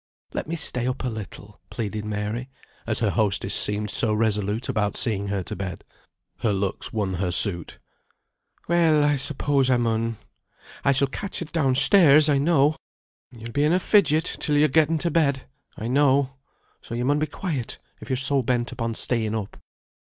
"Let me stay up a little," pleaded Mary, as her hostess seemed so resolute about seeing her to bed. Her looks won her suit. "Well, I suppose I mun. I shall catch it down stairs, I know. He'll be in a fidget till you're getten to bed, I know; so you mun be quiet if you are so bent upon staying up."